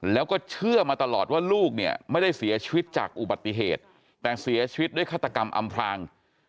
แต่เสียชีวิตด้วยฆาตกรรมอำพลาง